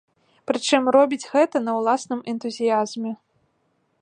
Прычым, робіць гэта на ўласным энтузіязме.